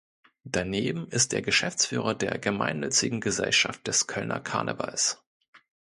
Daneben ist er Geschäftsführer der Gemeinnützigen Gesellschaft des Kölner Karnevals.